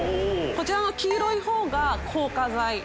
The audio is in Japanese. こちらの黄色い方が硬化剤。